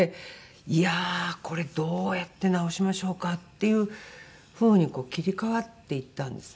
「いやあこれどうやって治しましょうか？」っていう風に切り替わっていったんですね。